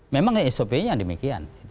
memang sop nya demikian